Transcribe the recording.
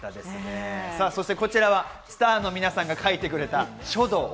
こちらはスターの皆さんが書いてくれた書道です。